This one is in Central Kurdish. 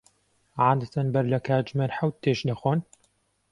عادەتەن بەر لە کاتژمێر حەوت تێشت دەخۆن؟